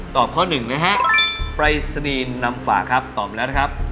ข้อหนึ่งนะฮะปรายศนีย์นำฝากครับตอบแล้วนะครับ